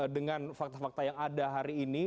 dengan fakta fakta yang ada hari ini